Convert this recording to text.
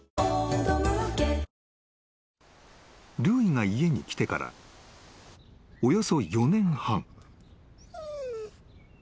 ［ルーイが家に来てからおよそ４年半］